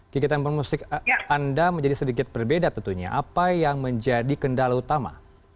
gigitan pemusik anda menjadi sedikit berbeda tentunya apa yang menjadi kendala utama